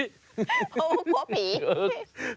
เพราะผี